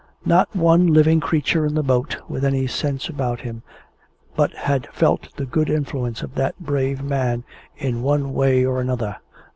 Not one living creature in the boat, with any sense about him, but had felt the good influence of that brave man in one way or another.